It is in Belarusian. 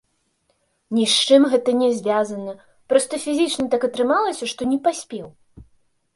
Ні з чым гэта не звязана, проста фізічна так атрымалася, што не паспеў.